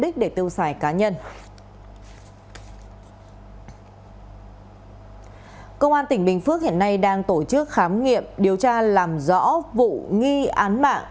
công an tỉnh bình phước hiện nay đang tổ chức khám nghiệm điều tra làm rõ vụ nghi án mạng